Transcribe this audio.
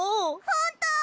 ほんと？